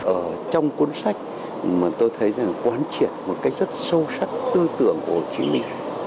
ở trong cuốn sách mà tôi thấy rằng quán triệt một cách rất sâu sắc tư tưởng của hồ chí minh